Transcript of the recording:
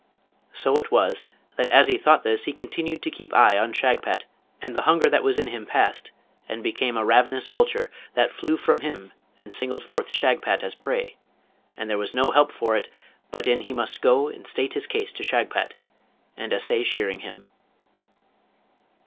So it was, that as he thought this he continued to keep eye on Shagpat, and the hunger that was in him passed, and became a ravenous vulture that flew from him and singled forth Shagpat as prey; and there was no help for it but in he must go and state his case to Shagpat, and essay shearing him.